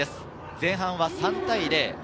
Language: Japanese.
前半は３対０。